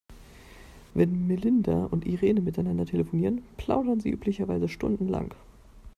Wenn Melinda und Irene miteinander telefonieren, plaudern sie üblicherweise stundenlang.